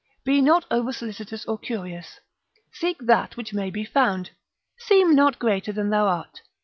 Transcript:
Be not over solicitous or curious. Seek that which may be found. Seem not greater than thou art.